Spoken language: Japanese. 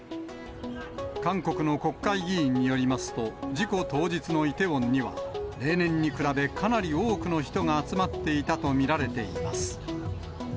韓国の国会議員によりますと、事故当日のイテウォンには、例年に比べ、かなり多くの人が集まっていたと見られています。